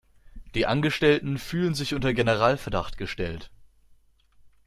Die Angestellten fühlen sich unter Generalverdacht gestellt.